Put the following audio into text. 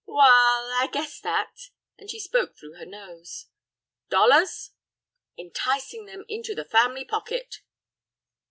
"Waal—I guess that"—and she spoke through her nose. "Dollars?" "Enticing them into the family pocket."